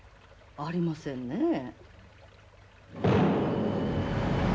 ありませんね。